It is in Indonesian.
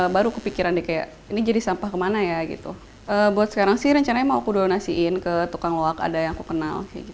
buat sekarang sih rencananya mau kudonasiin ke tukang loak ada yang kukenal